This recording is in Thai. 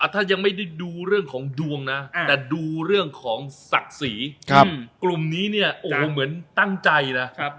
ถ้ายังไม่ได้ดูเรื่องของดวงนะแต่ดูเรื่องของศักดิ์ศรีกลุ่มนี้เนี่ยโอ้โหเหมือนตั้งใจนะ